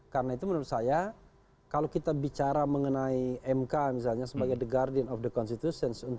karena itu menurut saya kalau kita bicara mengenai mk misalnya sebagai the guardian of the constitution